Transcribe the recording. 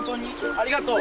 ありがとう。